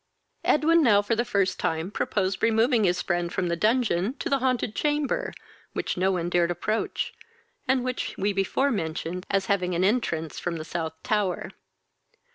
Edwin now for the first time proposed removing his friend from the dungeon to the haunted chamber, which no one dared to approach, and which we before mentioned as having an entrance from the South tower.